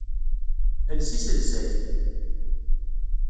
Els iselsa-k!